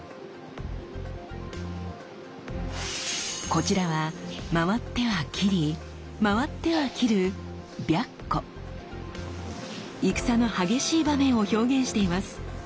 こちらは回っては斬り回っては斬る戦の激しい場面を表現しています。